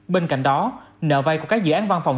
bên cạnh đó nợ vay của các dự án văn phòng